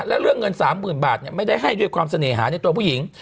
แล้วเรื่องเงิน๓๐๐๐บาทไม่ได้ให้ด้วยความเสน่หาในตัวผู้หญิง